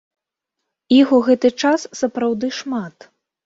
Іх у гэты час сапраўды шмат.